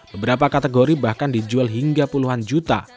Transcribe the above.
beberapa kategori bahkan dijual hingga puluhan juta